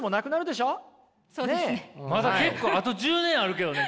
まだ結構あと１０年あるけどね